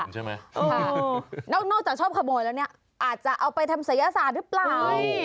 ค่ะนอกจะชอบขโมยแล้วนี่อาจจะเอาไปทำสยสารหรือเปล่าอุ๊ย